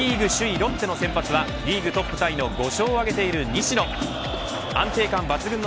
パ・リーグ首位、ロッテの先発はリーグトップタイの５勝を挙げている西野。